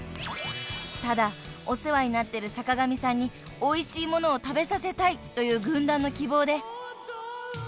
［ただお世話になってる坂上さんにおいしいものを食べさせたいという軍団の希望で］